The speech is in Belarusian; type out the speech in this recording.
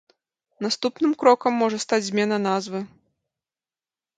Наступным крокам можа стаць змена назвы.